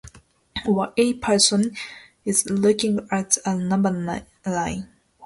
Or: A person is looking at a number line.